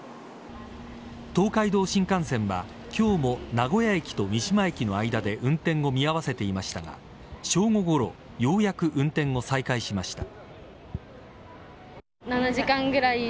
東海道新幹線は今日も名古屋駅と三島駅の間で運転を見合わせていましたが正午ごろようやく運転を再開しました。